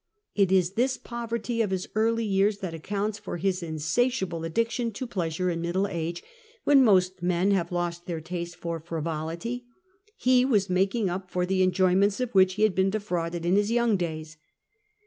It is this poverty of his early years that accounts for his insatiable addiction to pleasure in middle age, when most men have lost their taste for frivolity. He was mating up for the enjoyments of which he had been defrauded in his young days.